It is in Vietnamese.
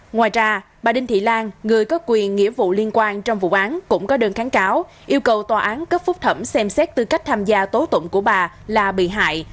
ngoài ra bà đinh thị lan người có quyền nghĩa vụ liên quan trong vụ án cũng có đơn kháng cáo yêu cầu tòa án cấp phúc thẩm xem xét tư cách tham gia tố tụng của bà là bị hại